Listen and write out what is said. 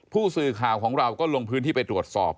ผู้สื่อข่าวของเราก็ลงพื้นที่ไปตรวจสอบ